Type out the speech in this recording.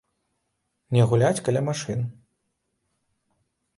Не гуляць каля машын!